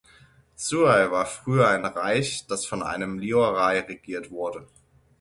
Suai war früher ein Reich, das von einem Liurai regiert wurden.